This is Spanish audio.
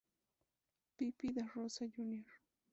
Pepe Da-Rosa Jr.